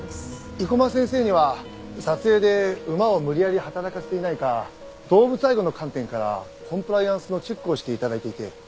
生駒先生には撮影で馬を無理やり働かせていないか動物愛護の観点からコンプライアンスのチェックをして頂いていて。